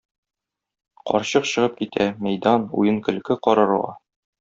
Карчык чыгып китә мәйдан, уен-көлке карарга.